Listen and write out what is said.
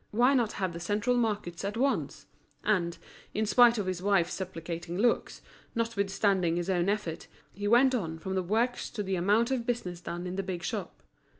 Why not have the central markets at once? And, in spite of his wife's supplicating looks, notwithstanding his own effort, he went on from the works to the amount of business done in the big shop.